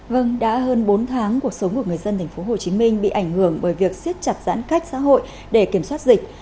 vâng đã hơn bốn tháng cuộc sống của người dân tp hcm bị ảnh hưởng bởi việc siết chặt giãn cách xã hội để kiểm soát dịch